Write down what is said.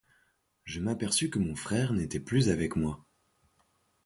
Je m'aperçus que mon frère n'était plus avec moi.